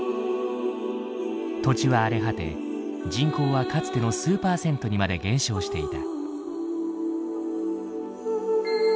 土地は荒れ果て人口はかつての数パーセントにまで減少していた。